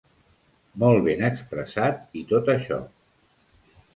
Molt ben expressat i tot això.